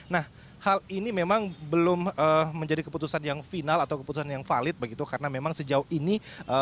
nah hal ini memang belum menjadi keputusan yang final atau keputusan yang valid begitu karena memang sejauh ini